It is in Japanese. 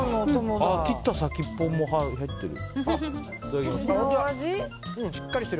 切った先っぽも入ってる。